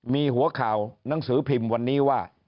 มีหัวข่าวหนังสือพิมพ์วันนี้ว่า